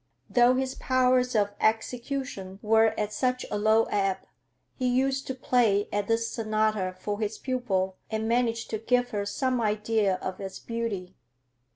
Though his powers of execution were at such a low ebb, he used to play at this sonata for his pupil and managed to give her some idea of its beauty.